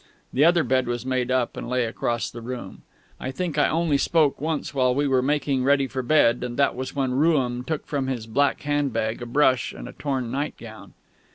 The other bed was made up, and lay across the room. I think I only spoke once while we were making ready for bed, and that was when Rooum took from his black hand bag a brush and a torn nightgown.